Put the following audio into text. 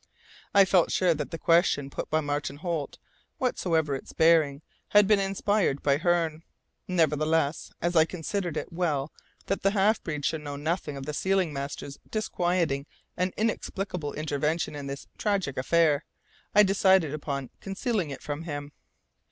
I felt sure that the question put by Martin Holt, whatsoever its bearing, had been inspired by Hearne. Nevertheless, as I considered it well that the half breed should know nothing of the sealing master's disquieting and inexplicable intervention in this tragic affair, I decided upon concealing it from him.